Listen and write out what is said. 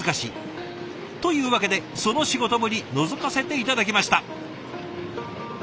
というわけでその仕事ぶりのぞかせて頂きました。